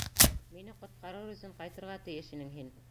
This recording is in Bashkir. Мине ҡотҡарыр өсөн ҡайтырға тейеш инең һин.